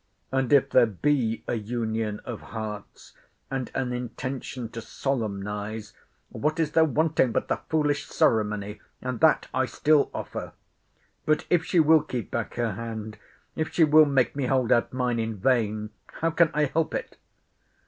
—And if there be a union of hearts, and an intention to solemnize, what is there wanting but the foolish ceremony?—and that I still offer. But, if she will keep back her hand, if she will make me hold out mine in vain, how can I help it?